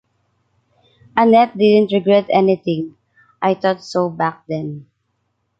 Annette didn’t regret anything: I thought so back then.